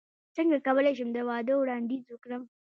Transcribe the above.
څنګه کولی شم د واده وړاندیز وکړم